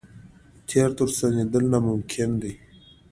تېر ته ورستنېدل ناممکن دي.